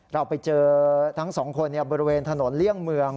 เราไปเจอทั้งสองคนบริเวณถนนเลี่ยงเมือง